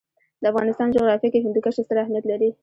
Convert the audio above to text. د افغانستان جغرافیه کې هندوکش ستر اهمیت لري.